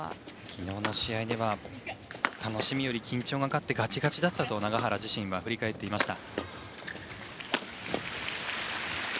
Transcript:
昨日の試合では楽しみより緊張が勝ってガチガチだったと永原自身は振り返っていました。